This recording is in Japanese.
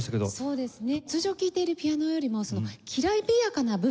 そうですね。